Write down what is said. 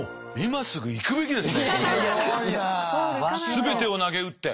全てをなげうって。